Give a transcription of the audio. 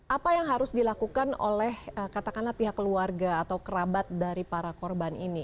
apa yang harus dilakukan oleh katakanlah pihak keluarga atau kerabat dari para korban ini